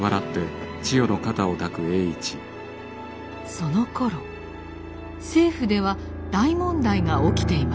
そのころ政府では大問題が起きていました。